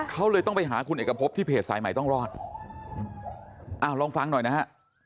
เขาเลยต้องไปหาคุณเอกพบที่เพจสายใหม่ต้องรอดอ้าวลองฟังหน่อยนะฮะ